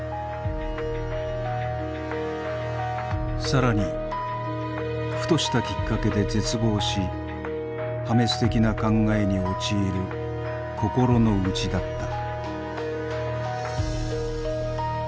更にふとしたきっかけで絶望し破滅的な考えに陥る心の内だった。